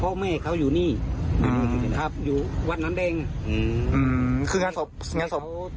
เพลินพ่อแม่ก็อยู่นี่อยู่วัดหนามแดง